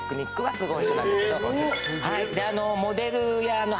すごい！